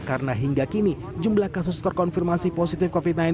karena hingga kini jumlah kasus terkonfirmasi positif covid sembilan belas